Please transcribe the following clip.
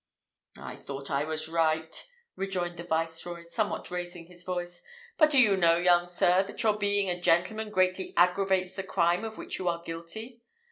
"I thought I was right," rejoined the viceroy, somewhat raising his voice: "but do you know, young sir, that your being a gentleman greatly aggravates the crime of which you are guilty.